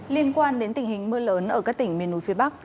liên quan đến tình hình mưa lớn ở các tỉnh miền núi phía bắc